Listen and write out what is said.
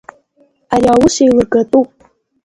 Ари аус еилыргатәуп.